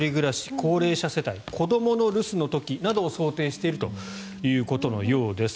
高齢者世帯子どもの留守の時などを想定しているということのようです。